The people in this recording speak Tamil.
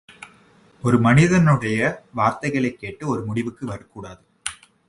ஒரு மனிதனுடைய வார்த்தைகளைக் கேட்டு ஒரு முடிவுக்கு வரக்கூடாது.